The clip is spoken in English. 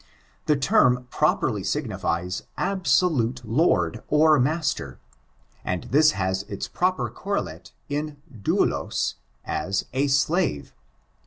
The term properly signifies absolute lord or master, and this has its proper correlate in douloi, a slave.